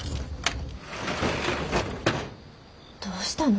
どうしたの？